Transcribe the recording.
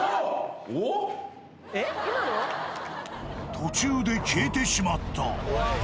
途中で消えてしまった。